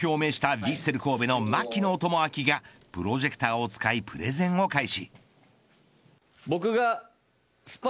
ヴィッセル神戸の槙野智章がプロジェクターを使いプレゼンを開始。